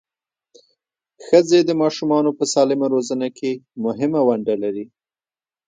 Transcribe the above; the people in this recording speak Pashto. ښځې د ماشومانو په سالمه روزنه کې مهمه ونډه لري.